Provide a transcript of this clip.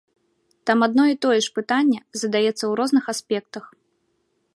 Там адно і тое ж пытанне задаецца ў розных аспектах.